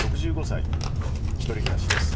６５歳、１人暮らしです。